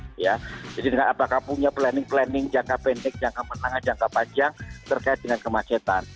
jadi dengan apakah punya planning planning jangka pendek jangka menang jangka panjang terkait dengan kemacetan